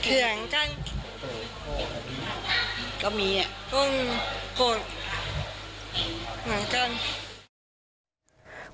ขึ้นหลังจังก็มีอ่ะต้องหลังจัง